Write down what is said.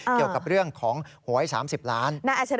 เกี่ยวกับเรื่องของหวย๓๐ล้าน